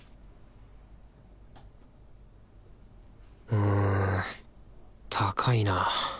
うん高いな。